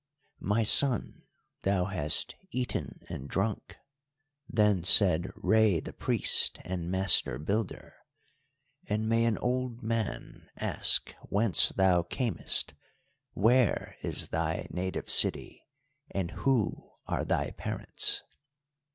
"My son, thou hast eaten and drunk," then said Rei the Priest and Master Builder, "and may an old man ask whence thou camest, where is thy native city, and who are thy parents?"